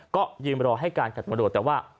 ก็ยืนไปรอให้การขัดมรดแต่ว่า